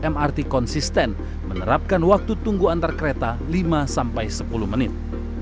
mrt konsisten menerapkan waktu tunggu antar kereta lima sampai sepuluh menit